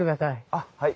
あっはい。